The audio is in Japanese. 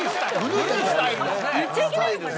言っちゃいけないのかな？